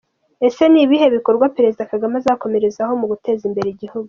Ese ni ibihe bikorwa Perezida Kagame azakomerezaho mu guteza imbere igihugu.